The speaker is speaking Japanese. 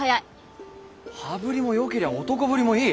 羽振りもよけりゃ男ぶりもいい。